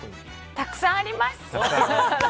たくさんあります。